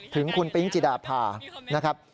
ถึงคุณปิ๊งจิดาพานะครับ